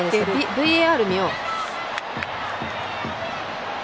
ＶＡＲ見よう。